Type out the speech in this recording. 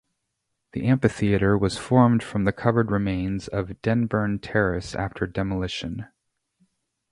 The amphitheatre was formed from the covered remains of Denburn Terrace after demolition.